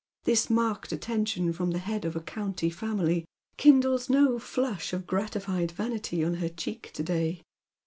This marked attention from the head of a county family kindles no flush of gratified vanity on her cheek to day.